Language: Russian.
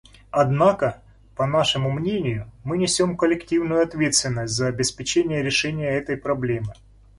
Однако, по нашему мнению, мы несем коллективную ответственность за обеспечение решения этой проблемы.